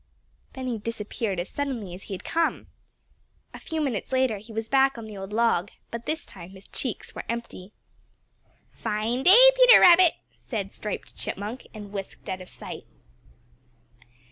Then he disappeared as suddenly as he had come. A few minutes later he was back on the old log, but this time his cheeks were empty. "Fine day, Peter Rabbit," said Striped Chipmunk, and whisked out of sight.